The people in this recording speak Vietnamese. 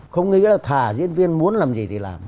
không nghĩa là thả diễn viên muốn làm gì thì làm